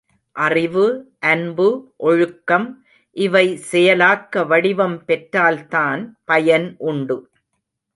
அறிவு, அன்பு, ஒழுக்கம் இவை செயலாக்க வடிவம் பெற்றால்தான் பயன் உண்டு.